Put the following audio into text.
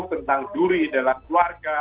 tentang duri dalam keluarga